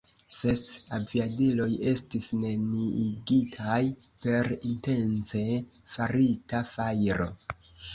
Ses aviadiloj estis neniigitaj per intence farita fajro.